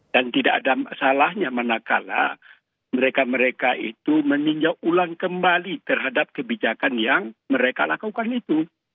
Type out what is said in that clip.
dan tidak ada masalahnya manakala mereka mereka itu meninjau ulang kembali terhadap kebijakan yang mereka lakukan itu